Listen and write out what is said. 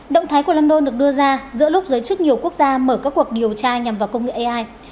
động thái của london được đưa ra giữa lúc giới chức nhiều quốc gia mở các cuộc điều tra nhằm vào công nghệ ai